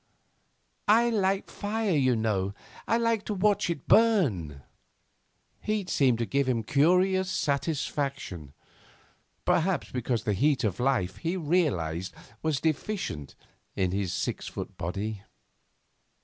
'I like fire, you know; like to watch it burn.' Heat seemed to give him curious satisfaction, perhaps because the heat of life, he realised, was deficient in his six foot body.